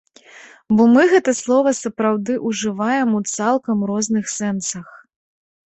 Бо мы гэта слова сапраўды ўжываем у цалкам розных сэнсах.